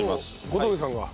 小峠さんが。